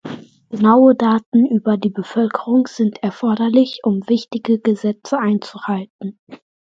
Genaue Daten über die Bevölkerung sind erforderlich, um wichtige Gesetze einzuhalten.